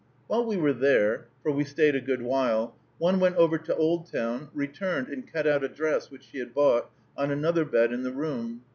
While we were there, for we stayed a good while, one went over to Oldtown, returned and cut out a dress, which she had bought, on another bed in the room.